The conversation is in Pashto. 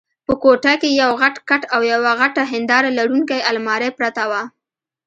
په کوټه کې یو غټ کټ او یوه غټه هنداره لرونکې المارۍ پرته وه.